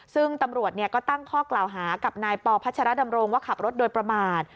ซึ่งตำรวจก็ตั้งข้อกล่าวหากับนายปพัชรดำรงว่าขับรถโดยประมาท